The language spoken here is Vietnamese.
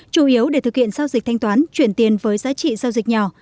chủ yếu để thực hiện giao dịch thanh toán chuyển tiền với giá trị giao dịch nhỏ